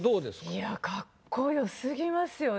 いや格好よすぎますよね。